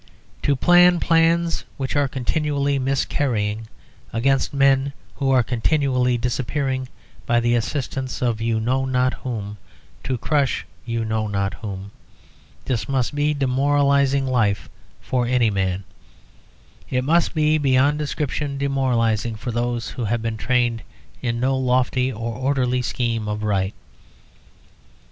To plan plans which are continually miscarrying against men who are continually disappearing by the assistance of you know not whom, to crush you know not whom, this must be a demoralising life for any man; it must be beyond description demoralising for those who have been trained in no lofty or orderly scheme of right.